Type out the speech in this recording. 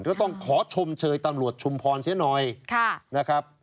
ก็ต้องขอชมเชยตำรวจชุมพรเสียหน่อยนะครับ